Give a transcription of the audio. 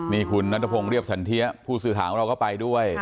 นี่คุณนัตรภงเรียบสันเทียผู้สื่อถามว่าเราก็ไปด้วย